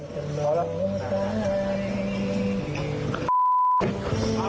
ซักค่า